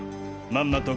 まんまと